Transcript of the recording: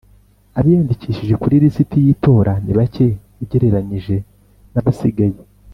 Abiyandikishije kurilisiti y’ itora nibacye ugereranyije nabasigaye